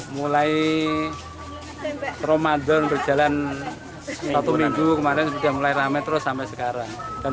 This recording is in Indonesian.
mulai ramadan berjalan satu minggu kemarin sudah mulai rame terus sampai sekarang